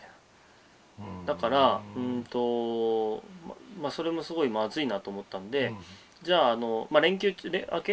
だからそれもすごいまずいなと思ったんでじゃあ連休明け？